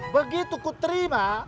begitu ku terima